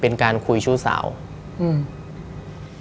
เป็นการคุยชู้สาวอืม